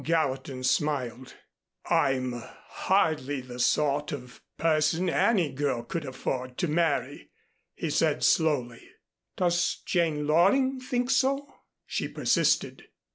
Gallatin smiled. "I'm hardly the sort of person any girl could afford to marry," he said slowly. "Does Jane Loring think so?" she persisted.